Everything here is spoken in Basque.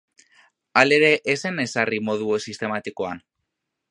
Hala ere ez zen ezarri modu sistematikoan.